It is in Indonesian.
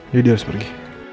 didi harus pergi